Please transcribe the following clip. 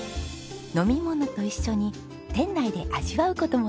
飲み物と一緒に店内で味わう事もできるんですよ。